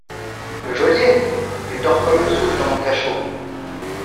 Le geôlier ! il dort comme une souche dans mon cachot !